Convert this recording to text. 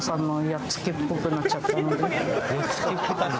やっつけっぽくなっちゃったの？